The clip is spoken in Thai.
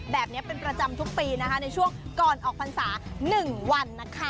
แบบนี้เป็นประจำทุกปีนะคะในช่วงก่อนออกพรรษา๑วันนะคะ